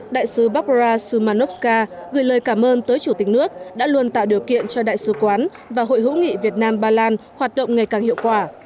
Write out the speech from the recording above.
đại sứ barbara szymanowska gửi lời cảm ơn tới chủ tịch nước đã luôn tạo điều kiện cho đại sứ quán và hội hữu nghị việt nam ba lan hoạt động ngày càng hiệu quả